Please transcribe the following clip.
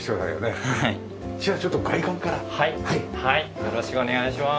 よろしくお願いします。